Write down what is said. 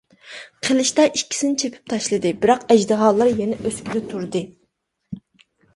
قىلىچتا ئىككىسىنى چېپىپ تاشلىدى، بىراق ئەجدىھالار يەنە ئۆسكىلى تۇردى.